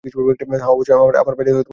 হ্যাঁ, অবশ্যই আমার বাইরে দশজন লোক আছে।